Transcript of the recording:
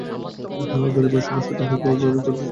ঐ ডেলিভারির সমস্যাটার, হয়তো ও এভাবেই সমাধান করতে চায়।